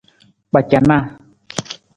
Kpacanaa.